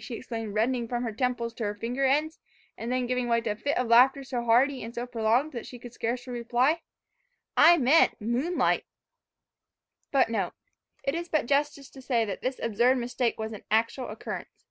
she exclaimed, reddening from her temples to her finger ends, and then giving way to a fit of laughter so hearty and so prolonged, that she could scarcely reply, "I meant moonlight."[#] [#] It is but justice to say that this absurd mistake was an actual occurrence.